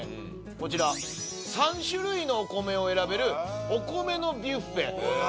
こちら３種類のお米を選べるお米のビュッフェえっ